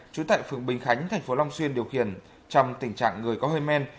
trú tại phường bình khánh thành phố long xuyên điều khiển trong tình trạng người có hơi men